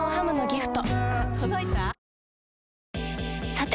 さて！